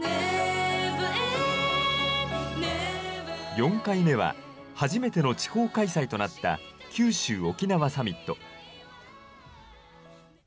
４回目は初めての地方開催となった九州・沖縄サミット。